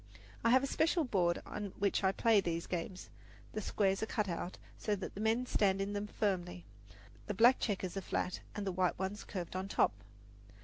I have a special board on which I play these games. The squares are cut out, so that the men stand in them firmly. The black checkers are flat and the white ones curved on top.